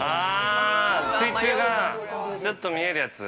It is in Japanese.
◆水中がちょっと見えるやつ。